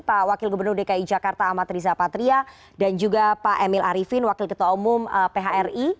pak wakil gubernur dki jakarta amat riza patria dan juga pak emil arifin wakil ketua umum phri